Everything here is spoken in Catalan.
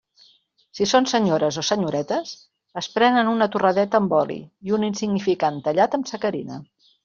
Si són senyores o senyoretes, es prenen una torradeta amb oli i un insignificant tallat amb sacarina.